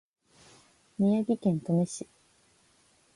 宮城県登米市